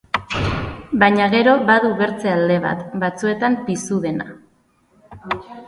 Baina gero, badu bertze alde bat, batzuetan pizu dena.